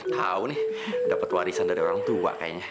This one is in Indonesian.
tahu nih dapat warisan dari orang tua kayaknya